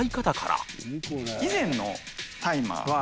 以前のタイマーは蠅